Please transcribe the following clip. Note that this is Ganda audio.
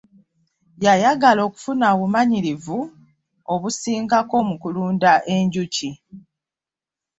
Yayagala okufuna obumanyirivu obusingako mu kulunda enjuki.